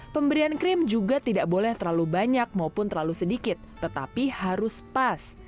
pemberian krim juga tidak boleh terlalu banyak maupun terlalu sedikit tetapi harus pas